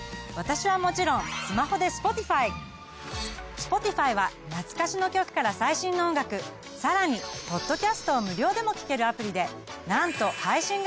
Ｓｐｏｔｉｆｙは懐かしの曲から最新の音楽さらにポッドキャストを無料でも聞けるアプリでなんと配信楽曲は邦楽含め８，０００万